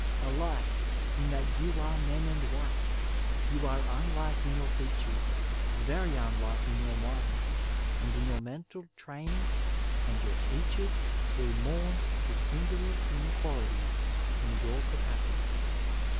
Alike in that you are men and white, you are unlike in your fea tures, very unlike in your minds and in your mental train ing, and your teachers will mourn the singular inequalitieB in your capacities.